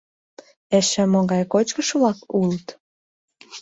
Эше могай кочкыш-влак улыт?